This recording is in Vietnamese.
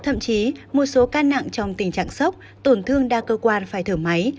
thậm chí một số ca nặng trong tình trạng sốc tổn thương đa cơ quan phải thở máy